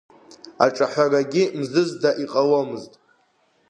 Аҿаҳәарагьы мзызда иҟаломызт.